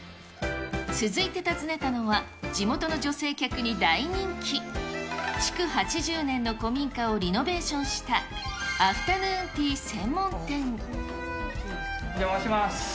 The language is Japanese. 続いて訪ねたのは、地元の女性客に大人気、築８０年の古民家をリノベーションした、お邪魔します。